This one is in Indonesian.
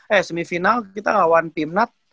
eh semifinal kita lawan tim nut